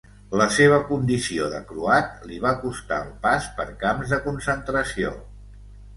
La seva condició de croat li va costar el pas per camps de concentració.